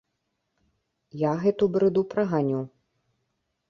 Я гэту брыду праганю.